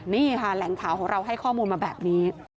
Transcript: นี่ค่ะแหล่งข่าวของเราให้ข้อมูลมาแบบนี้